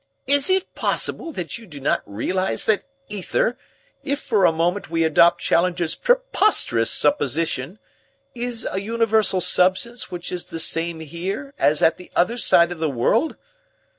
"Is it possible that you do not realize that ether, if for a moment we adopt Challenger's preposterous supposition, is a universal substance which is the same here as at the other side of the world?